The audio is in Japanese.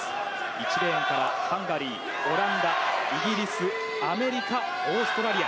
１レーンからハンガリー、オランダイギリス、アメリカオーストラリア